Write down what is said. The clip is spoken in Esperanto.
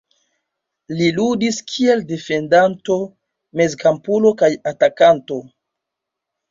Li ludis kiel defendanto, mezkampulo kaj atakanto.